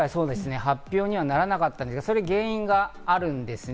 発表にならなかったんですが、原因があります。